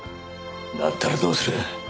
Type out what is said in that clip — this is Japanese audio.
だったらどうする？